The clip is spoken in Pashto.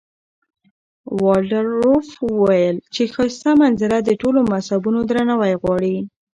والډروف وویل چې ښایسته منظره د ټولو مذهبونو درناوی غواړي.